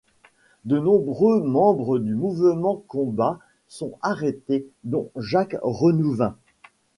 De nombreux membres du Mouvement Combat sont arrêtés, dont Jacques Renouvin.